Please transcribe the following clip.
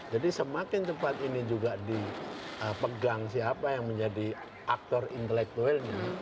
jadi semakin cepat ini juga dipegang siapa yang menjadi aktor intelektual ini